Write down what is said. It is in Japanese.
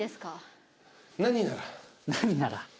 何なら。